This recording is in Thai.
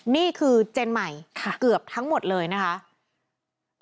นี่คือเจนใหม่เกือบทั้งหมดเลยนะคะ